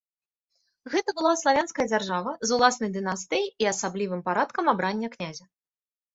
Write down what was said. Гэта была славянская дзяржава з уласнай дынастыяй і асаблівым парадкам абрання князя.